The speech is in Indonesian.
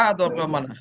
atau ke mana